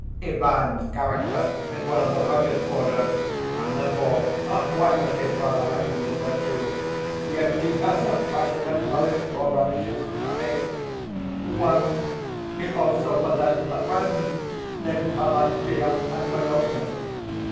Ivan's character is one of the rugged order, and therefore, one that is rather lacking in virtue. Yet he has a passionate relish for radishes and honey. Once he also possessed a friend named Pelagea Antonovna.